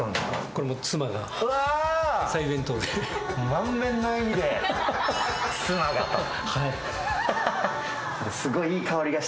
これは妻が。